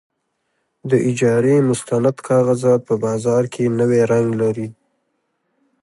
د اجارې مستند کاغذات په بازار کې نوی رنګ لري.